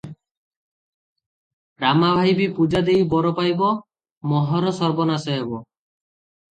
ରାମା ଭାଇ ବି ପୂଜା ଦେଇ ବର ପାଇବ, ମୋହର ସର୍ବନାଶ ହେବ ।